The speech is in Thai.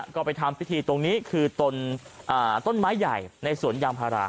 ก็ไปทำพิธีตรงนี้คือต้นไม้ใหญ่ในสวนยางพารา